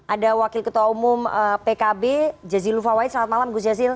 ada wakil ketua umum pkb jazilul fawait selamat malam gus jazil